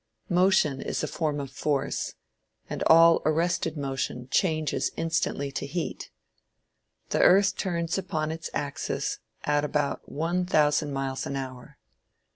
Motion is a form of force, and all arrested motion changes instantly to heat. The earth turns upon its axis at about one thousand miles an hour.